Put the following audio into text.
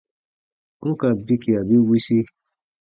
N ka bikia bi wisi,